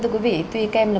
thế cho nên là